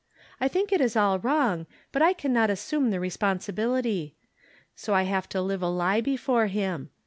I think it is all wrong, but I can not assume the responsibility ; so I have to live a lie before him.